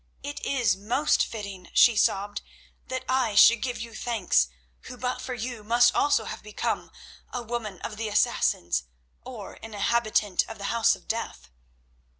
"It is most fitting," she sobbed, "that I should give you thanks who but for you must also have become 'a woman of the Assassins,' or an inhabitant of the House of Death."